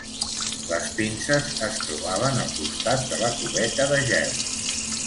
Les pinces es trobaven al costat de la cubeta de gel.